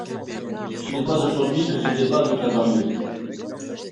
Ce n’est pas aujourd’hui que ce débat doit avoir lieu.